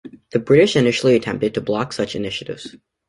The British initially attempted to block such initiatives.